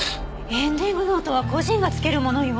エンディングノートは個人がつけるものよ。